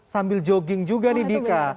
sambil jogging juga nih dika